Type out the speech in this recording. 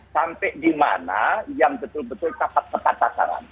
sampai di mana yang betul betul tepat sasaran